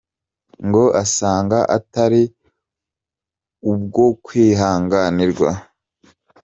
Ngo asanga atari ubwo kwihanganirwa.